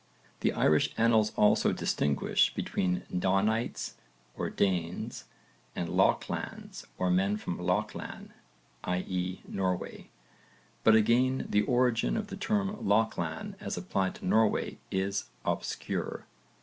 The Irish annals also distinguish between Daunites or Danes and Lochlanns or men from Lochlann, i.e. Norway; but again the origin of the term Lochlann as applied to Norway is obscure.